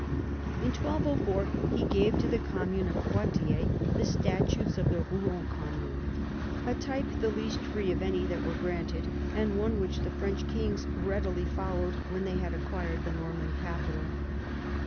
In 1204 he gave to the commune of Poitiers the statutes of the Eouen commune, a type the least free of any that were granted, and one which the French kings readily followed when they had acquired the Norman capital.